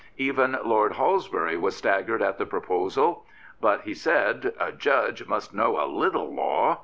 Even Lord Halsbury was staggered at the proposal. But," he said, " a Judge must know a little law.